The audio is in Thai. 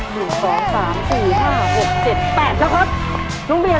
หนึ่งสองสามสี่ห้าเจ็ดเจ็ดแปดนะครับนุ้มเบียร์